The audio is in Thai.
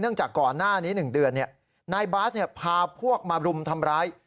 เนื่องจากก่อนหน้านี้หนึ่งเดือนเนี่ยนายบาสเนี่ยพาพวกมารุมทำร้าย